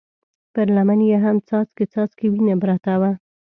پر لمن يې هم څاڅکی څاڅکی وينه پرته وه.